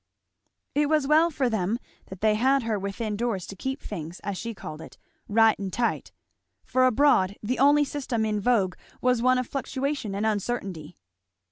It was well for them that they had her within doors to keep things, as she called it, "right and tight;" for abroad the only system in vogue was one of fluctuation and uncertainty.